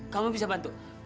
kamu bisa bantu